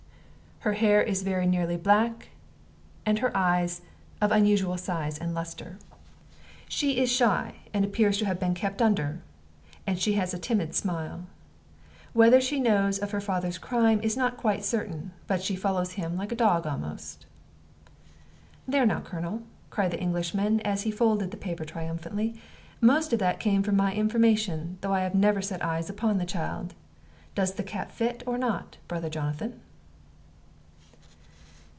Her hair is very nearly black, and her eyes of unusual size and lustre. She is shy, and appears to have been kept under, and she has a timid smile. Whether she knows of her father's crime or not is quite uncertain; but she follows him like a dog almost.' "There now, Colonel," cried the Englishman, as he folded the paper triumphantly; "most of that came from my information, though I never set eyes upon the child. Does the cap fit or not, Brother Jonathan?"